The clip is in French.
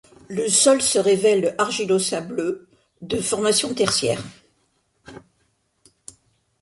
Le sol se révèle argilo-sableux, de formation tertiaire.